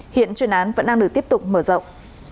hiện chuyên án vẫn đang được tiếp tục mở rộng